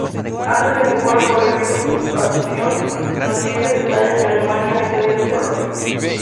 Antes de que pueda corregir su asunción, noticias estalla que Alemania ha invadido Polonia.